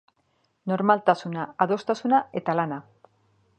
Normaltasuna, adostasuna eta lana.